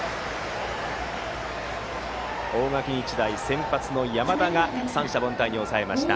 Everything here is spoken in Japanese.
大垣日大、先発の山田が三者凡退に抑えました。